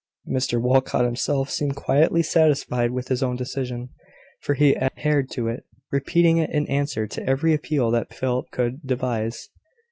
Mr Walcot himself seemed quietly satisfied with his own decision, for he adhered to it, repeating it in answer to every appeal that Philip could devise.